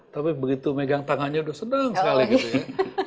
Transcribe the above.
tapi begitu megang tangannya udah senang sekali gitu ya